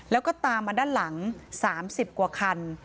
แล้วก็ตามมาด้านหลัง๓๐กว่าคัน